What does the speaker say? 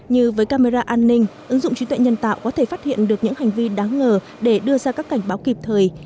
như với camera an ninh ứng dụng trí tuệ nhân tạo có thể phát hiện được những hành vi đáng ngờ để đưa ra các cảnh báo kịp thời